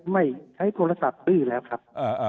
ไม่ใช้โตรศัพท์ก็ดื้อยาครับ